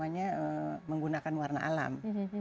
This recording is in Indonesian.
namanya menggunakan warna alam